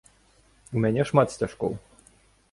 У мяне шмат сцяжкоў.